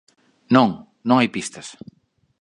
Non, non hai pistas.